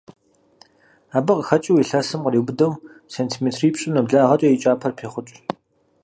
Абы къыхэкIыу, илъэсым къриубыдэу сантиметрипщIым нэблагъэкIэ и кIапэр пехъукI.